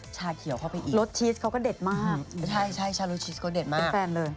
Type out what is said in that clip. ใช่ชารสชีสก็เด็ดมาก